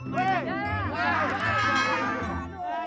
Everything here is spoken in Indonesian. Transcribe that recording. lempare bang jangan malu malu bang